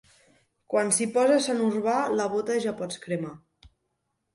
Quan s'hi posa Sant Urbà, la bota ja pots cremar.